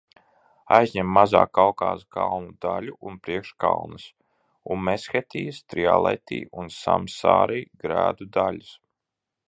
Aizņem Mazā Kaukāza kalnu daļu un priekškalnes un Meshetijas, Trialeti un Samsari grēdu daļas.